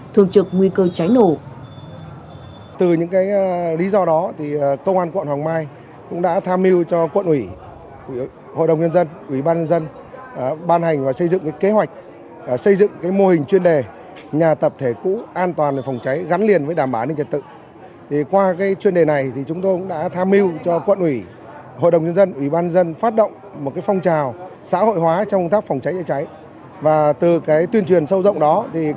trong năm thường trực nguy cơ cháy nổ